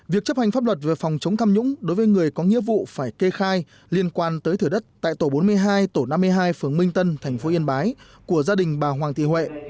việc chấp hành pháp luật về phòng chống tham nhũng đối với người có nghĩa vụ phải kê khai liên quan tới thửa đất tại tổ bốn mươi hai tổ năm mươi hai phường minh tân tp yên bái của gia đình bà hoàng thị huệ